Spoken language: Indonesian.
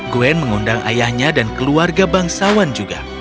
gwen mengundang ayahnya dan keluarga bangsawan juga